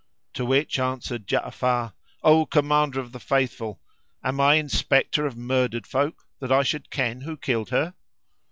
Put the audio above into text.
to which answered Ja'afar, "O Commander of the Faithful, am I inspector of " murdered folk that I should ken who killed her?"